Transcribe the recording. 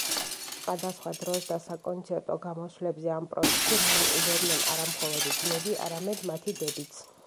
სხვადასხვა დროს და საკონცერტო გამოსვლებზე ამ პროექტში მონაწილეობდნენ არა მხოლოდ ძმები, არამედ მათი დებიც.